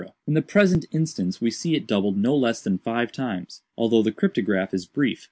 In the present instance we see it doubled no less than five times, although the cryptograph is brief.